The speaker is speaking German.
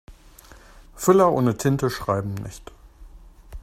Füller ohne Tinte schreiben nicht.